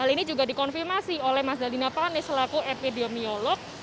hal ini juga dikonfirmasi oleh mas dalina pane selaku epidemiolog